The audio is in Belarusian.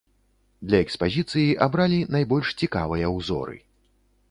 Для экспазіцыі абралі найбольш цікавыя ўзоры.